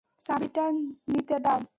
চাবিটা নিতে দাও।